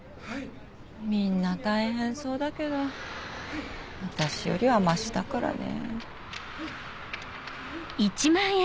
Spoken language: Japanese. みんな大変そうだけど私よりはマシだからね。